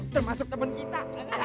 termasuk temen kita